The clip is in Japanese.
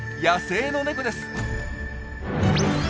野生のネコです。